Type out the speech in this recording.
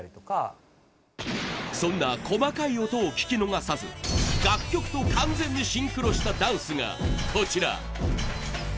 そんな細かい音を聞き逃さず楽曲と完全にシンクロしたダンスがこちら。